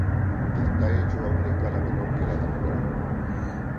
Está hecho a una escala menor que la natural.